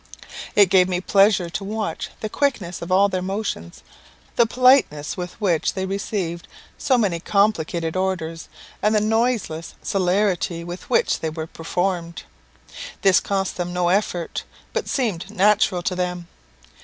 It gave me pleasure to watch the quickness of all their motions, the politeness with which they received so many complicated orders, and the noiseless celerity with which they were performed. This cost them no effort, but seemed natural to them.